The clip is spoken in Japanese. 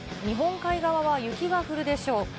日本海側は雪が降るでしょう。